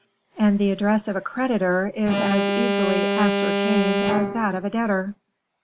"And the address of a creditor is as easily ascertained as that of a debtor."